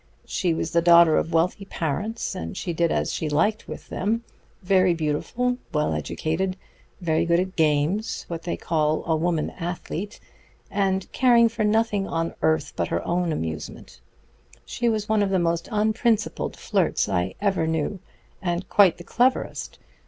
She was the daughter of wealthy parents, and she did as she liked with them; very beautiful, well educated, very good at games what they call a woman athlete and caring for nothing on earth but her own amusement. She was one of the most unprincipled flirts I ever knew, and quite the cleverest.